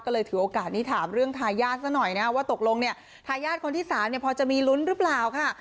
ก็เลยถือโอกาสนี้ถามเรื่องทายาทซะหน่อยนะว่าตกลงเนี่ยทายาทคนที่๓เนี่ยพอจะมีลุ้นหรือเปล่าค่ะ